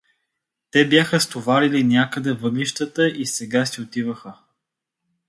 Те бяха стоварили някъде въглищата и сега си отиваха.